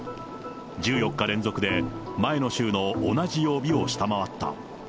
１４日連続で前の週の同じ曜日を下回った。